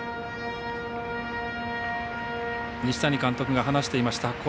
西谷監督が話していました。